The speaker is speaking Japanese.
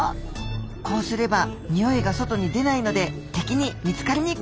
こうすれば匂いが外に出ないので敵に見つかりにくいのです。